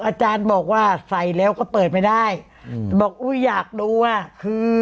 อาจารย์บอกว่าใส่แล้วก็เปิดไม่ได้อืมบอกอุ้ยอยากดูอ่ะคือ